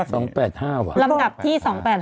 ลำดับที่๒๘๕